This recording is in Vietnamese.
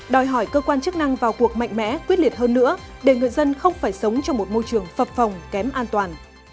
đòi hỏi cơ quan chức năng vào cuộc mạnh mẽ quyết liệt hơn nữa để người dân không phải sống trong một môi trường phật phòng kém an toàn